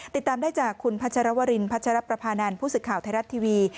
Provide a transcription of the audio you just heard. ติดตามได้จากคุณพัชรวรินพัชรประพานันทร์ผู้สื่อข่าวไทยรัฐทีวี